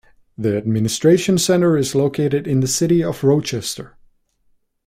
The Administration Center is located in the city of Rochester.